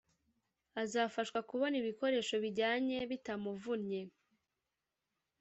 azafashwa kubona ibikoresho bijyanye bitamuvunnye